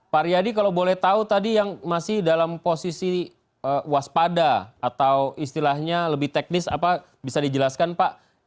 pak riyadi kalau boleh tahu tadi yang masih dalam posisi waspada atau istilahnya lebih teknis apa bisa dijelaskan pak